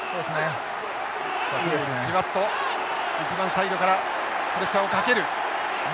一番サイドからプレッシャーをかける！